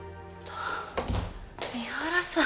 三原さん。